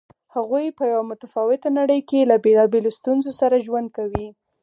هغوی په یوه متفاوته نړۍ کې له بېلابېلو ستونزو سره ژوند کوي.